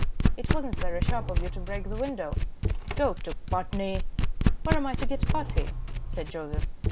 "It wasn't very sharp of you to break the window." "Go to Putney!" "Where am I to get putty?" said Joseph.